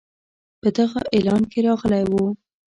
په دغه اعلان کې راغلی وو.